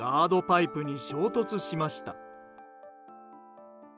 パイプに衝突しました。